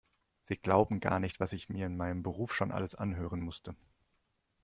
Sie glauben gar nicht, was ich mir in meinem Beruf schon alles anhören musste.